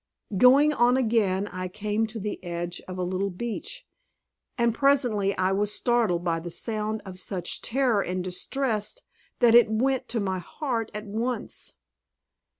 Going on again, I came to the edge of a little beach, and presently I was startled by a sound of such terror and distress that it went to my heart at once.